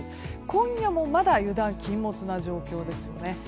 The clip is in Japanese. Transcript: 今夜もまだ油断禁物な状況ですよね。